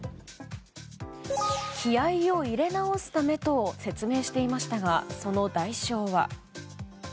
気合を入れ直すためと説明していましたがその代償は。